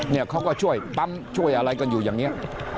เขาก็ช่วยปั๊มช่วยอะไรกันอยู่อย่างนี้